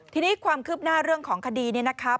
ทีนี้ความคืบหน้าเรื่องของคดีนี้นะครับ